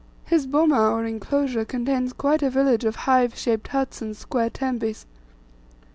His boma or enclosure contains quite a village of hive shaped huts and square tembes.